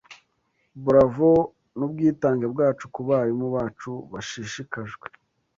Bravo nubwitange bwacu Kubarimu bacu bashishikajwe